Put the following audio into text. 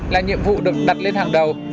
là nhiệm vụ được đặt lên hàng đầu